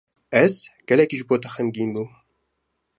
Ez gelekî ji bo te xemgîn bûm.